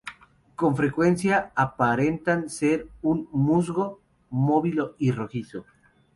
Con frecuencia aparentan ser un "musgo" móvil y rojizo.